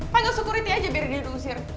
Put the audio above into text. panggil security aja biar dia diusir